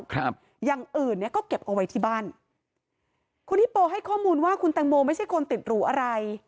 ครับอย่างอื่นเนี้ยก็เก็บเอาไว้ที่บ้านคุณฮิโปให้ข้อมูลว่าคุณแตงโมไม่ใช่คนติดหรูอะไร